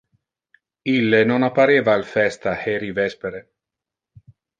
Ille non appareva al festa heri vespere.